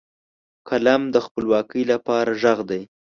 قلم د خپلواکۍ لپاره غږ دی